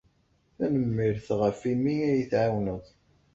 Tanemmirt ɣef imi ay iyi-tɛawneḍ.